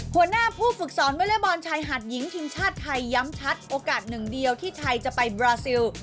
หัวหน้าผู้ฝึกสอนวอเล็กบอลชายหาดหญิงทีมชาติไทยย้ำชัดโอกาสหนึ่งเดียวที่ไทยจะไปบราซิล